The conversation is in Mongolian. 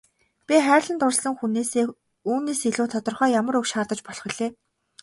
Би хайрлан дурласан хүнээсээ үүнээс илүү тодорхой ямар үг шаардаж болох билээ.